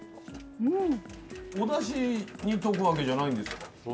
おだしに溶くわけじゃないんですか？